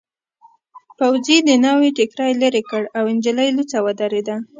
پوځي د ناوې ټکري لیرې کړ او نجلۍ لوڅه ودرېده.